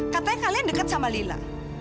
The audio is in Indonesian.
katanya kalian dekat sama lila